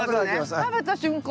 食べた瞬間